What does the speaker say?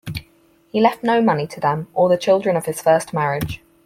He left no money to them or the children of his first marriage.